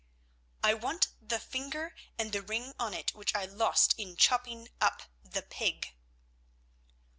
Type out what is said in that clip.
"I want the finger and the ring on it which I lost in chopping up the pig."